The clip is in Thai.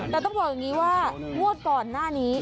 แต่ต้องบอกอย่างนี้ว่างวดก่อนหน้านี้